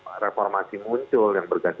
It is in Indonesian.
nah ketika rezim reformasi muncul yang bergantinya